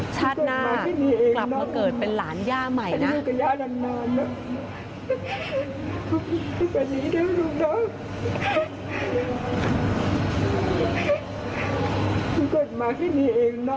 ชาติหน้ากลับมาเกิดเป็นหลานย่าใหม่นะ